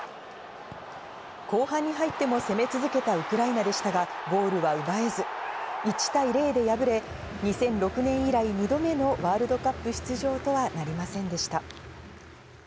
後半に入っても攻め続けたウクライナでしたが、ゴールは奪えず、１対０で敗れ、２００６年以来２度目のワールドカップ出場とはなりませんでした。